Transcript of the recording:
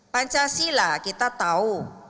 pancasila kita tahu